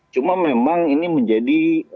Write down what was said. cuma memang ini menjadi